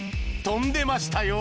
跳んでましたよ